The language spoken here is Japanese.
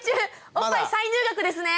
おっぱい再入学ですね。